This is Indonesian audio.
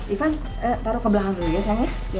ivan taruh ke belakang dulu ya sayangnya